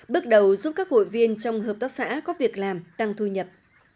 bước đầu giúp các hội viên trong hợp tác xã có việc làm tăng thu nhập